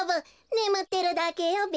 ねむってるだけよべ。